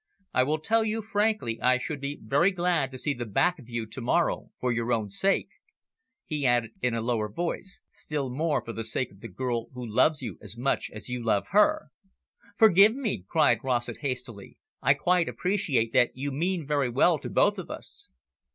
"I will tell you frankly I should be very glad to see the back of you to morrow, for your own sake " He added in a lower voice, "Still more for the sake of the girl who loves you as much as you love her." "Forgive me," cried Rossett hastily. "I quite appreciate that you mean very well to both of us."